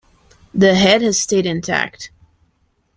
The head has stayed intact.